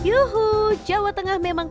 enak dan sehat